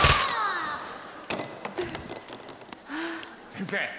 先生。